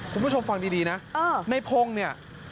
คุณผู้ชมฟังดีนะในพงศ์เนี่ย